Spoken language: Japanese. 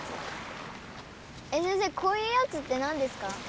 先生こういうやつって何ですか？